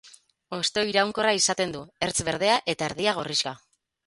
Hosto iraunkorra izaten du, ertz berdea eta erdia gorrixka.